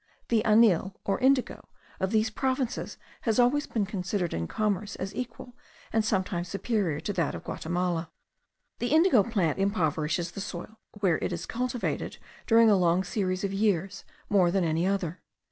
The anil, or indigo, of these provinces has always been considered in commerce as equal and sometimes superior to that of Guatemala. The indigo plant impoverishes the soil, where it is cultivated during a long series of years, more than any other.